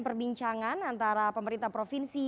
perbincangan antara pemerintah provinsi